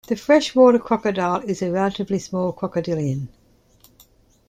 The freshwater crocodile is a relatively small crocodilian.